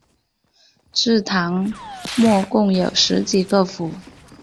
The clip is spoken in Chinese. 至唐末共有十几个府。